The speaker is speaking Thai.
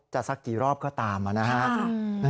จะสักกี่รอบก็ตามมานะฮะ